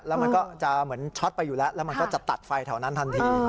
แล้วมันก็จะเหมือนช็อตไปอยู่แล้วแล้วมันก็จะตัดไฟแถวนั้นทันที